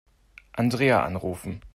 Andrea anrufen.